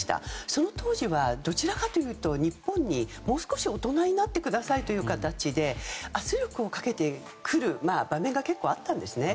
その当時はどちらかというと日本にもう少し大人になってくださいという形で圧力をかけてくる場面が結構あったんです。